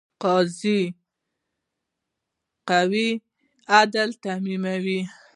قضایه قوه عدالت تامینوي